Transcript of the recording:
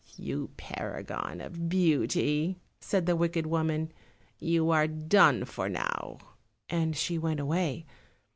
"You paragon of beauty," said the wicked woman, "you are done for now," and she went away.